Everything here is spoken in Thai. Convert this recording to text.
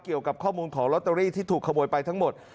เกี่ยวกับข้อมูลของลอตเตอรี่ที่ถูกขโมยไปทั้งหมด